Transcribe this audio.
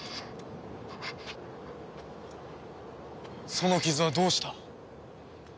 その傷はどうした？